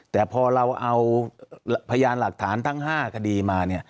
แต่พอเราเอาพยานหลักฐานทั้ง๕คดีมา